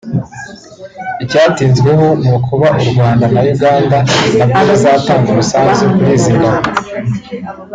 Icyatinzweho ni ukuba u Rwanda na Uganda na byo bizatanga umusanzu kuri izi ngabo